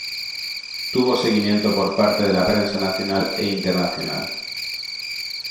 Tuvo seguimiento por parte de la prensa nacional e internacional.